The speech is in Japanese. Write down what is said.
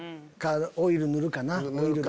オイル塗るかな。